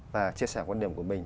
và chia sẻ quan điểm của mình